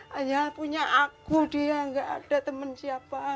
hanya punya aku dia nggak ada temen siapa